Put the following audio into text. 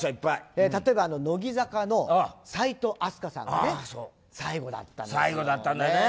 例えば乃木坂の齋藤飛鳥さんが最後だったんですよ。